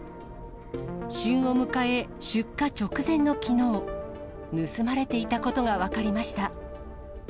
旬を迎え、出荷直前のきのう、盗まれていたことが分かりました。